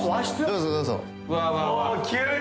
どうぞどうぞ。